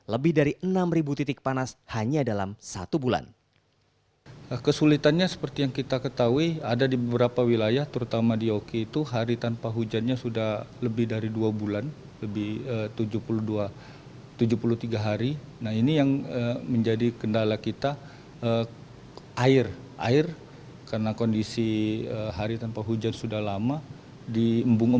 lebih dari enam ribu titik panas hanya dalam satu bulan